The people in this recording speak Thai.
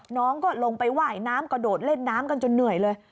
น้องก็ลงไปว่ายน้ำกระโดดเล่นน้ำกันจนเหนื่อยเลย